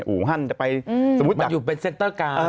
อู่ฮันจะไปสมมุติว่ามันอยู่เป็นเซ็นเตอร์กลาง